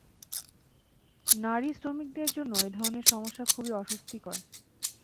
নারী শ্রমিকদের জন্য এ ধরনের সমস্যা খুবই অস্বস্তিকর।